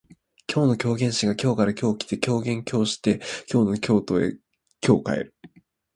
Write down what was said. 今日の狂言師が京から今日来て狂言今日して京の故郷へ今日帰る